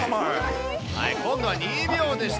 今度は２秒でした。